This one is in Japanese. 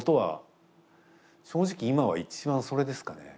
正直今は一番それですかね。